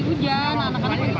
dia lagi mandi hujan